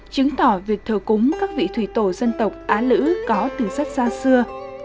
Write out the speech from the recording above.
chứng tỏ việc thờ cúng các vị thủy tổ dân tộc á lữ có từ rất xa xưa